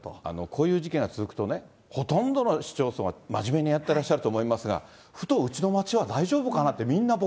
こういう事件が続くとね、ほとんどの市町村は真面目にやってらっしゃると思いますが、ふと、うちの町は大丈夫かなって、みん